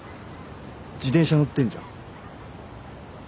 自転車乗ってんじゃん。